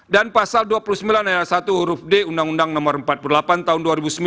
dan pasal dua puluh sembilan ayat satu huruf d undang undang nomor empat puluh delapan tahun dua ribu sembilan